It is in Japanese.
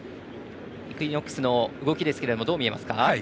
イクイノックスの動きどう見えますか？